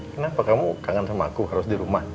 kenapa kamu kangen sama aku harus di rumah